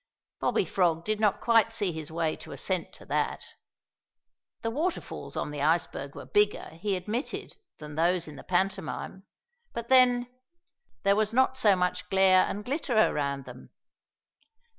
Bobby Frog did not quite see his way to assent to that. The waterfalls on the iceberg were bigger, he admitted, than those in the pantomime, but then, there was not so much glare and glitter around them.